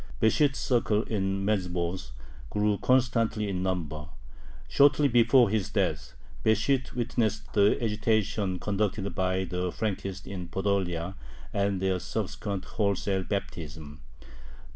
Besht's circle in Medzhibozh grew constantly in number. Shortly before his death, Besht witnessed the agitation conducted by the Frankists in Podolia and their subsequent wholesale baptism.